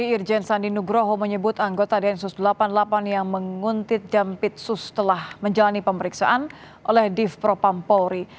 irjen sandi nugroho menyebut anggota densus delapan puluh delapan yang menguntit jampitsus telah menjalani pemeriksaan oleh div propampolri